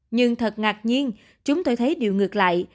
nhưng thật ngạc nhiên chúng tôi thấy điều ngược lại